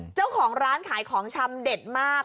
เจ้าของร้านขายของชำเด็ดมาก